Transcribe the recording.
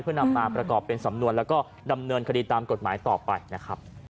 เพื่อนำมาประกอบเป็นสำนวนแล้วก็ดำเนินคดีตามกฎหมายต่อไปนะครับ